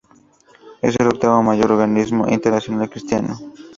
Es el octavo mayor organismo internacional cristiano.